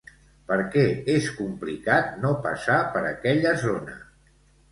Per què és complicat no passar per aquella zona?